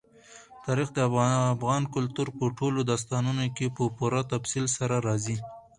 تاریخ د افغان کلتور په ټولو داستانونو کې په پوره تفصیل سره راځي.